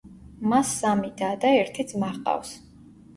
მას სამი და და ერთი ძმა ჰყავს.